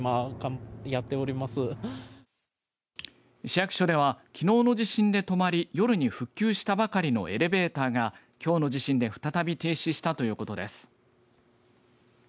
市役所では、きのうの地震で止まり夜に復旧したばかりのエレベーターが、きょうの地震で再び停止したということです。